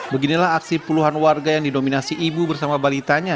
beginilah aksi puluhan warga yang didominasi ibu bersama balitanya